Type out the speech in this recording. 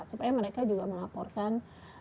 supaya mereka juga melaporkan